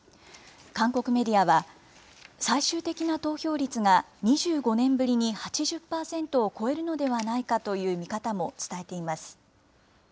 韓国メディアは、最終的な投票率が２５年ぶりに８０％を超えるのではないかという見方も伝えています。